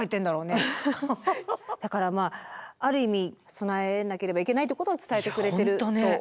だからある意味備えなければいけないってことを伝えてくれてると思うんですけれども。